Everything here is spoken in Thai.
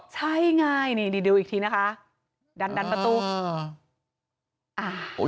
ใช่ไงนี่ดูอีกทีนะคะดันดันประตู